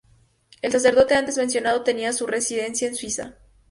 El sacerdote antes mencionado tenía su residencia en Suiza.